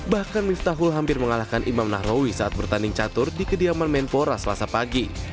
bahkan miftahul hampir mengalahkan imam nahrawi saat bertanding catur di kediaman menpora selasa pagi